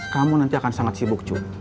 kamu akan sangat sibuk cu